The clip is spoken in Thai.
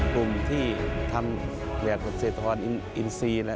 กลุ่มที่ทำแบบเกษตรทฤษฎีอินซี